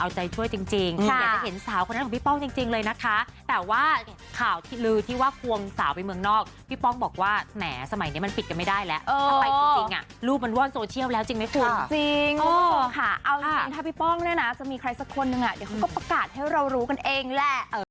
เอาอย่างนี้ถ้าพี่ป้องด้วยนะจะมีใครสักคนหนึ่งอ่ะเดี๋ยวก็ประกาศให้เรารู้กันเองแหละ